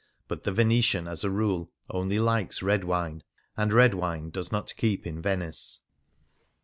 But the Venetian, as a rule, only likes red wine, and red wine does not keep in Venice.